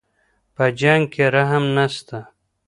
په جنګ کي رحم نسته.